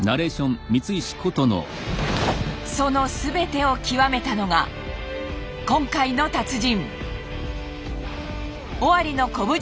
その全てを極めたのが今回の達人。